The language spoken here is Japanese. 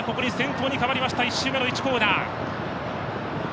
１周目の１コーナー。